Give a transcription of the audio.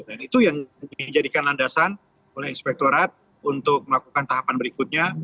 dan itu yang dijadikan landasan oleh inspektorat untuk melakukan tahapan berikutnya